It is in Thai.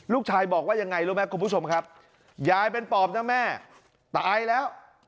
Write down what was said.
ลูกชายบอกว่ายังไงรู้ไหมคุณผู้ชมครับยายเป็นปอบนะแม่ตายแล้ว